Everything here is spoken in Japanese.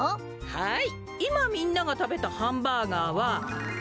はい！